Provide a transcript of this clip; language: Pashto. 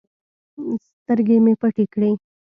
سترگې مې پټې کړې.